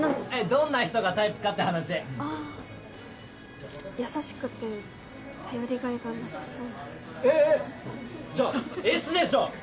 どんな人がタイプかって話ああ優しくて頼りがいがなさそうなええっじゃあＳでしょ？